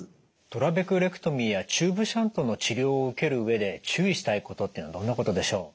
トラベクレクトミーやチューブシャントの治療を受ける上で注意したいことっていうのはどんなことでしょう？